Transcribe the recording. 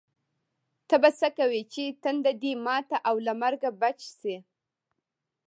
ته به څه کوې چې تنده دې ماته او له مرګه بچ شې.